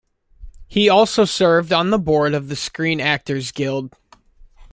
He also served on the board of the Screen Actors Guild.